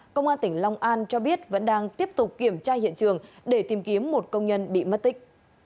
công an tỉnh long an cho biết vẫn đang tiếp tục kiểm tra hiện trường để tìm kiếm một công nhân bị mất tích